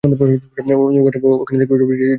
ওখানে দেখতে পাচ্ছো রিজের কাজিন অ্যান্ড্রিউকে!